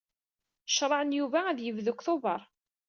Creɛ n Yuba ad yebdu deg Tubeṛ.